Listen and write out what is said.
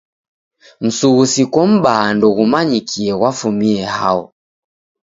Msughusiko m'baa ndoghumanyikie ghwafumie hao.